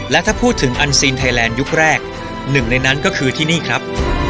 และถ้าพูดถึงอันซีนไทยแลนด์ยุคแรกหนึ่งในนั้นก็คือที่นี่ครับ